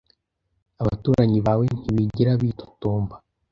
Abaturanyi bawe ntibigera bitotomba?